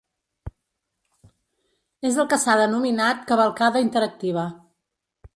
És el que s’ha denominat cavalcada interactiva.